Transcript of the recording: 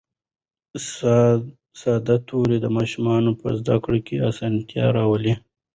ساده توري د ماشومانو په زده کړه کې اسانتیا راولي